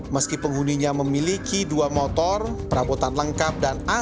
meski penghuninya memiliki dua motor perabotan lengkap dan aset